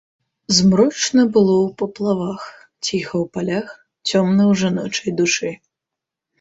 Змрочна было ў паплавах, ціха ў палях, цёмна ў жаночай душы.